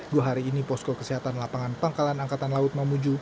dua hari ini posko kesehatan lapangan pangkalan angkatan laut mamuju